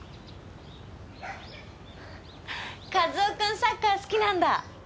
和夫君サッカー好きなんだ？